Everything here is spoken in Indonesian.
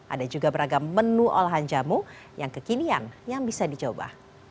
ada juga beragam menu olahan jamu yang kekinian yang bisa dicoba